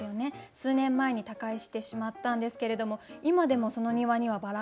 数年前に他界してしまったんですけれども今でもその庭にはバラが咲いてそのあとに夏が来る。